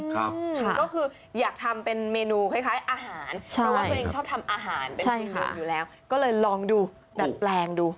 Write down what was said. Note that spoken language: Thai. ก็คืออยากทำเป็นเมนูคล้ายอาหารใช่เพราะว่าตัวเองชอบทำอาหารเป็นเมนูอยู่แล้วก็เลยลองดูดัดแปลงดู